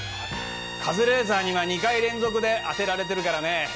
カズレーザーには２回連続で当てられてるからね